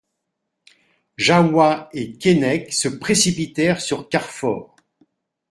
Jahoua et Keinec se précipitèrent sur Carfor.